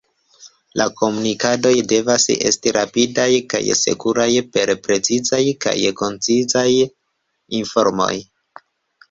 La komunikadoj devas esti rapidaj kaj sekuraj per precizaj kaj koncizaj informoj.